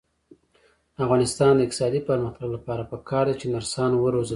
د افغانستان د اقتصادي پرمختګ لپاره پکار ده چې نرسان وروزل شي.